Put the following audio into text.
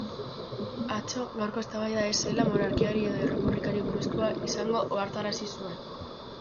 Atzo, gaurko eztabaida ez dela monarkiari edo errepublikari buruzkoa izango ohartarazi zuen.